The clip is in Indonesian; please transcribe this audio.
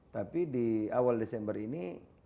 tapi di awal desember ini lima empat puluh satu